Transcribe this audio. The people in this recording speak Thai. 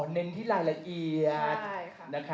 เน้นที่รายละเอียด